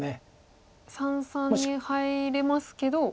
三々に入れますけど。